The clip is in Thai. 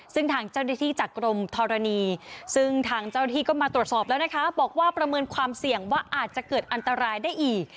ซึ่งทางเจ้าหน้าที่จากกรมธรณีซึ่งทางเจ้าหน้าที่ก็มาตรวจสอบแล้วนะคะบอกว่าประเมินความเสี่ยงว่าอาจจะเกิดอันตรายได้อีก